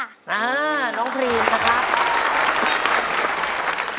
อ้าวน้องพรีมค่ะ